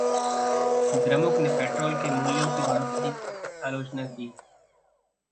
द्रमुक ने पेट्रोल के मूल्यों में बढ़ोतरी की आलोचना की